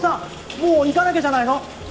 もう行かなきゃじゃないの？